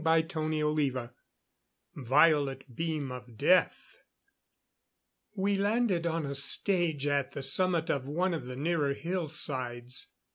CHAPTER XVII Violet Beam of Death We landed on a stage at the summit of one of the nearer hillsides.